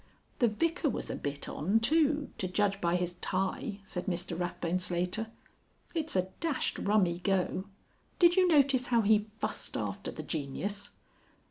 "The Vicar was a bit on too to judge by his tie," said Mr Rathbone Slater. "It's a dashed rummy go. Did you notice how he fussed after the genius?"